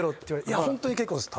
「いやホントに結構です」